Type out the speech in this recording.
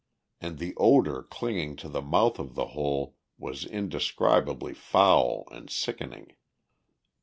And the odour clinging to the mouth of the hole was indescribably foul and sickening.